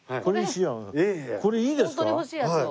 これいいですか？